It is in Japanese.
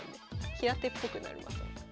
平手っぽくなりますよね。